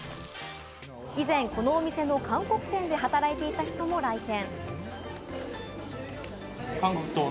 以前、このお店の韓国店で働いていた人も来店。